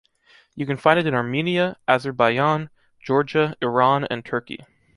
You can find it in Armenia, Azerbaiyán, Georgia, Irán and Turkey.